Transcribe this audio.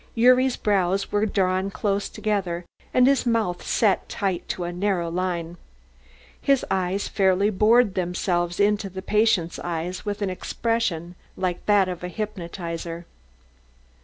Gyuri's brows were drawn close together and his mouth set tight to a narrow line. His eyes fairly bored themselves into the patient's eyes with an expression like that of a hypnotiser.